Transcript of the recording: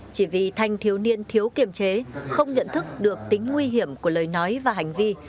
chỉ vì thanh thiếu niên thiếu kiềm chế không nhận thức được tính nguy hiểm của lời nói và hành vi